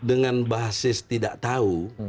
dengan basis tidak tahu